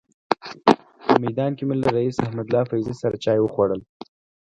په میدان کې مې له رئیس احمدالله فیضي سره چای وخوړل.